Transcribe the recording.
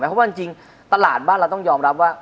เพราะว่าจริงตลาดบ้านเราต้องยอมรับว่า